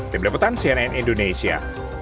tim lepotan cnn indonesia